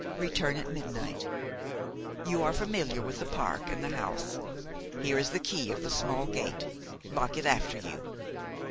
Return at midnight; you are familiar with the park and the house; here is the key of the small gate; lock it after you."